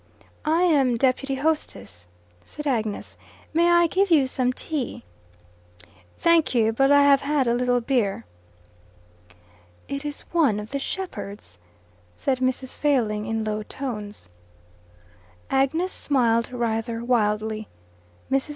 "I am deputy hostess," said Agnes. "May I give you some tea?" "Thank you, but I have had a little beer." "It is one of the shepherds," said Mrs. Failing, in low tones. Agnes smiled rather wildly. Mrs.